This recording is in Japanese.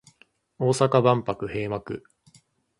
大阪万博閉幕